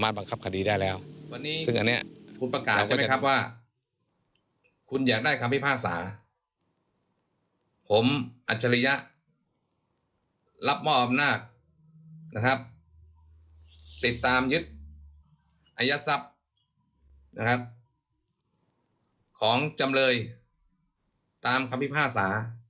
ติดตามยึดอัยศัพท์ของจำเลยตามความพิพาสาห์